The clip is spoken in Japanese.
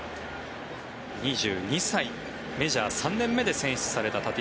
２２歳、メジャー３年目で選出されました。